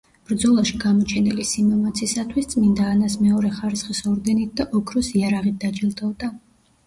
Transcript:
ბრძოლაში გამოჩენილი სიმამაცისათვის წმინდა ანას მეორე ხარისხის ორდენით და ოქროს იარაღით დაჯილდოვდა.